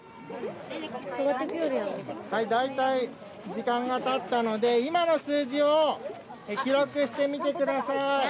だいたい時間がたったので今の数字を記録してみてください。